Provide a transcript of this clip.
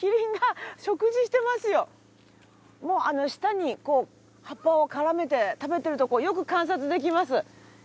舌に葉っぱを絡めて食べてるとこよく観察できます。